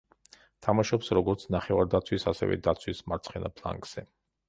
თამაშობს როგორც ნახევარდაცვის, ასევე დაცვის მარცხენა ფლანგზე.